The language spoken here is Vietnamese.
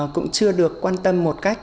cũng chưa được quan tâm một cách